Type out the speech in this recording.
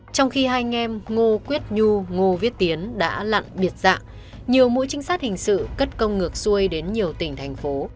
trong khi hai anh em ngô quyết nhu ngô viết tiến đã lặn biệt dạng nhiều mũi trinh sát hình sự cất công ngược xuôi đến nhiều tỉnh thành phố